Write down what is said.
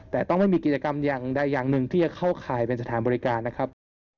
แต่ต้องไม่มีกิจกรรมอย่างใดอย่างหนึ่งที่จะเข้าข่ายเป็นสถานบริการนะครับ